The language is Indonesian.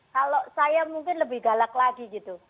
kalau saya mungkin lebih galak lagi gitu